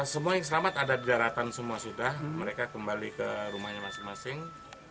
semua yang selamat ada di daratan semua sudah mereka kembali ke rumahnya masing masing